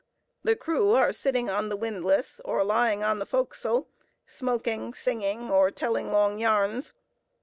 The crew are sitting on the windlass or lying on the forecastle, smoking, singing, or telling long yarns.